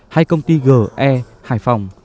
hay công ty ge hải phòng